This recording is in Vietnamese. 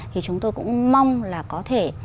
thì chúng tôi cũng mong là có thể